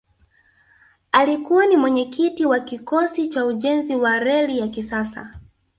alikuwa ni mwenyekiti wa kikosi cha ujenzi wa reli ya kisasa